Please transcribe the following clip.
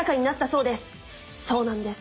そうなんです！